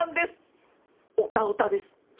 オタオタです。